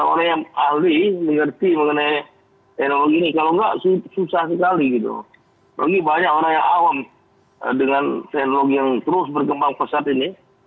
dengan teknologi yang terus berkembang pesat ini